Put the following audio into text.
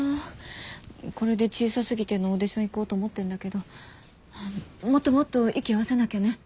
これで小さすぎてのオーディション行こうと思ってんだけどもっともっと息を合わせなきゃね。